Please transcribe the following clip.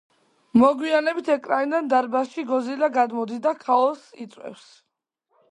მოგვიანებით ეკრანიდან დარბაზში გოძილა გადმოდის და ქაოსს იწვევს.